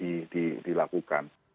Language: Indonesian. itu bisa dilakukan